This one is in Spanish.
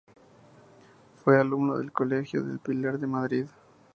Fue alumno del Colegio del Pilar de Madrid.